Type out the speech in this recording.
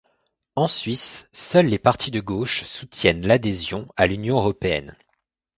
En Suisse, seuls les partis de gauche soutiennent l'adhésion à l'Union européenne.